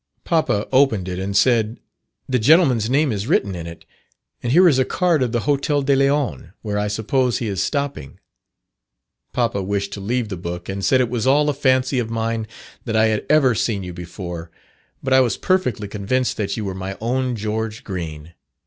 Papa opened it, and said 'the gentleman's name is written in it, and here is a card of the Hotel de Leon, where I suppose he is stopping.' Papa wished to leave the book, and said it was all a fancy of mine that I had ever seen you before, but I was perfectly convinced that you were my own George Green.